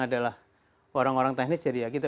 adalah orang orang teknis jadi ya kita